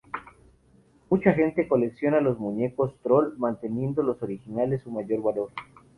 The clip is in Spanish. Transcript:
Mucha gente colecciona los muñecos trol, manteniendo los originales su mayor valor.